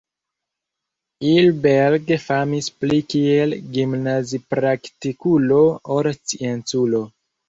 Ilberg famis pli kiel gimnazipraktikulo ol scienculo.